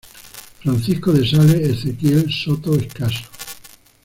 Francisco de Sales Ezequiel Soto Escaso.